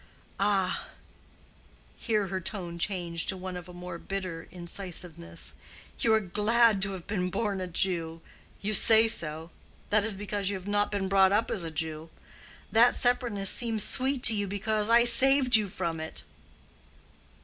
Ah!"—here her tone changed to one of a more bitter incisiveness—"you are glad to have been born a Jew. You say so. That is because you have not been brought up as a Jew. That separateness seems sweet to you because I saved you from it."